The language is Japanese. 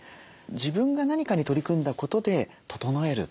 自分が何かに取り組んだことで整える。